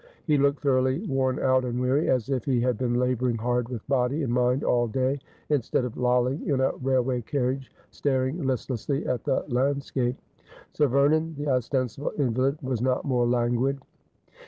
He looked thoroughly worn out and weary, as if he had been labouring hard with body and mind all day, instead of lolling in a railway carriage, staring listlessly at the landscape. Sir Vernon, the ostensible invalid, was not more languid.